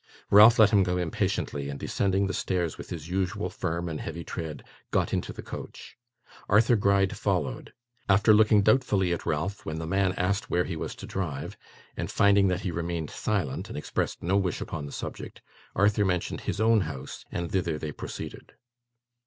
Ralph let him go impatiently, and descending the stairs with his usual firm and heavy tread, got into the coach. Arthur Gride followed. After looking doubtfully at Ralph when the man asked where he was to drive, and finding that he remained silent, and expressed no wish upon the subject, Arthur mentioned his own house, and thither they proceeded.